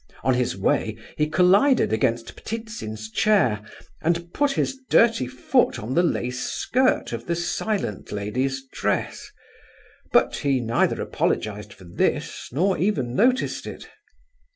On his way he collided against Ptitsin's chair, and put his dirty foot on the lace skirt of the silent lady's dress; but he neither apologized for this, nor even noticed it.